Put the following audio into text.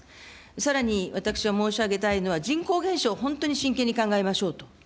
さらに私が申し上げたいのは、人口減少、本当に真剣に考えましょうと。